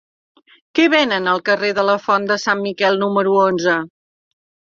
Què venen al carrer de la Font de Sant Miquel número onze?